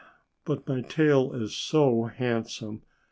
But my tail is so handsome!"